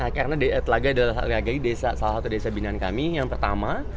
karena telaga adalah salah satu desa binaan kami yang pertama